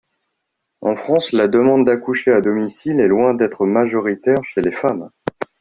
En France, la demande d’accoucher à domicile est loin d’être majoritaire chez les femmes.